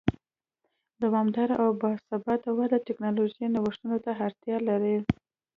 دوامداره او با ثباته وده ټکنالوژیکي نوښتونو ته اړتیا لري.